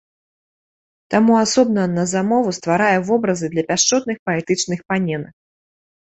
Таму асобна на замову стварае вобразы для пяшчотных паэтычных паненак.